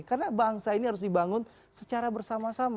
karena bangsa ini harus dibangun secara bersama sama